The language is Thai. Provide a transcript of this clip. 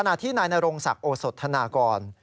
ขณะที่นายนโรงศักดิ์โอสธนากร